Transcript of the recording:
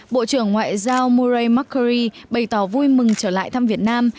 bộ trưởng ngoại giao murray mccurley bày tỏ vui mừng trở lại thăm việt nam